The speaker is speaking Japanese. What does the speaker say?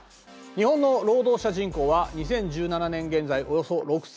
日本の労働者人口は２０１７年現在およそ６，７２０万人だ。